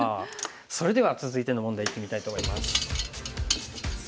それでは続いての問題いってみたいと思います。